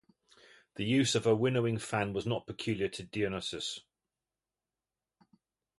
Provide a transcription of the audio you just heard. The use of a winnowing fan was not peculiar to Dionysus.